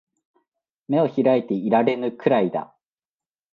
眼を開いていられぬくらいだ